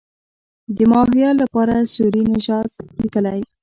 د ماهویه لپاره سوري نژاد لیکلی.